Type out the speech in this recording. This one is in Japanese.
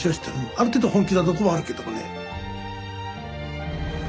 ある程度本気なとこはあるけどもね。